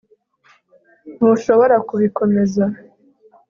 Ntushobora kubikomeza